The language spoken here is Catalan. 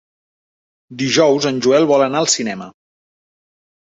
Dijous en Joel vol anar al cinema.